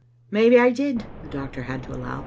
"Maybe I did," the doctor had to allow.